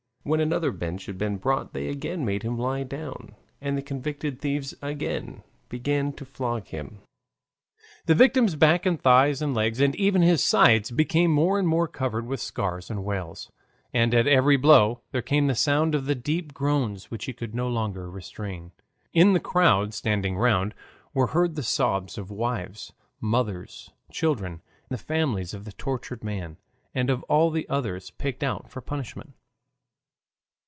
When another bench had been brought they again made him lie down, and the convicted thieves again began to flog him. The victim's back and thighs and legs, and even his sides, became more and more covered with scars and wheals, and at every blow there came the sound of the deep groans which he could no longer restrain. In the crowd standing round were heard the sobs of wives, mothers, children, the families of the tortured man and of all the others picked out for punishment.